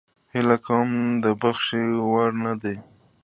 هیله کوم د بخښنې وړ نه ده.